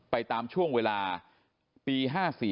ไปตามช่วงเวลาปี๕๔